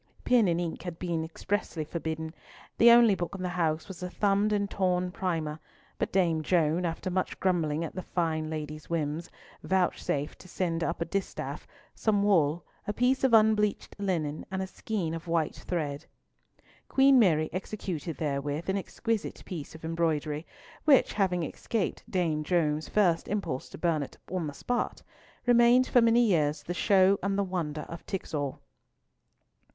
Pen and ink had been expressly forbidden, the only book in the house was a thumbed and torn primer, but Dame Joan, after much grumbling at fine ladies' whims, vouchsafed to send up a distaff, some wool, a piece of unbleached linen, and a skein of white thread. Queen Mary executed therewith an exquisite piece of embroidery, which having escaped Dame Joan's first impulse to burn it on the spot, remained for many years the show and the wonder of Tixall.